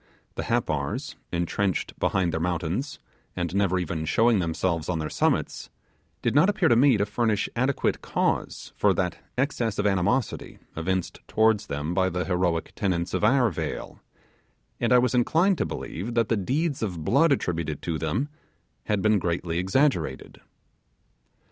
The Happars, entrenched behind their mountains, and never even showing themselves on their summits, did not appear to me to furnish adequate cause for that excess of animosity evinced towards them by the heroic tenants of our vale, and I was inclined to believe that the deeds of blood attributed to them had been greatly exaggerated.